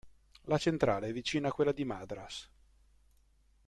La centrale è vicina a quella di Madras.